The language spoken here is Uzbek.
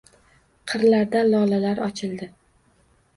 Qirlarda lolalar ochildi